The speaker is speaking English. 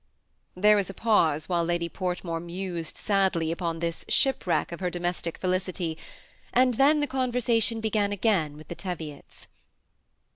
There was a pause while Lady Portmore mused sadly upon' this shipwreck of her domestic felicity ; and then the conversation began again with the Teviots.